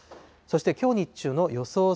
そしてきょう日中の予想